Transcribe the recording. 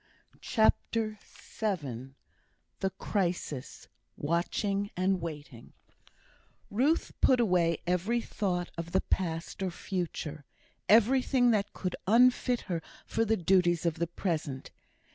CHAPTER VII The Crisis Watching and Waiting Ruth put away every thought of the past or future; everything that could unfit her for the duties of the present.